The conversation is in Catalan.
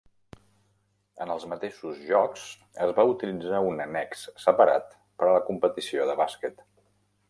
En els mateixos Jocs, es va utilitzar un annex separat per a la competició de bàsquet.